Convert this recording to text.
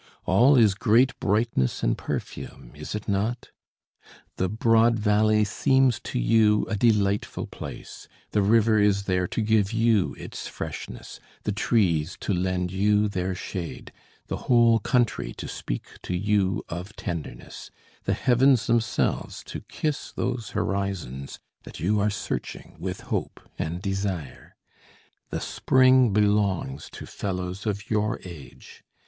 All is great brightness and perfume, is it not? The broad valley seems to you a delightful place: the river is there to give you its freshness, the trees to lend you their shade, the whole country to speak to you of tenderness, the heavens themselves to kiss those horizons that you are searching with hope and desire. The spring belongs to fellows of your age.